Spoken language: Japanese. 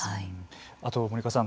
あと、森岡さん